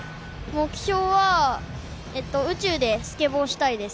目標は宇宙でスケボーしたいです。